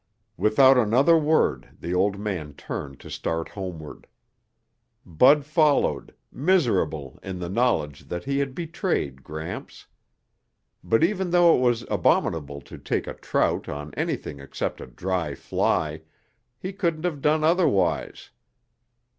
Without another word the old man turned to start homeward. Bud followed, miserable in the knowledge that he had betrayed Gramps. But even though it was abominable to take a trout on anything except a dry fly, he couldn't have done otherwise.